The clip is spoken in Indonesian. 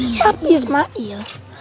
kita bantu mbak mbak itu dulu